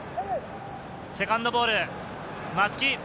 セカンドボール、松木。